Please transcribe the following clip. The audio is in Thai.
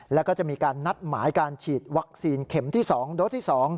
แล้วก็จะมีการนัดหมายการฉีดวัคซีนเข็มที่๒โดสที่๒